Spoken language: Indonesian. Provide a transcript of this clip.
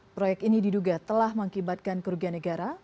proyek ini diduga telah mengakibatkan kerugian negara